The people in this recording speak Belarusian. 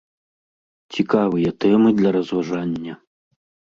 Цікавыя тэмы для разважання.